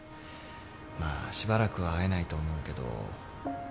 まあしばらくは会えないと思うけど。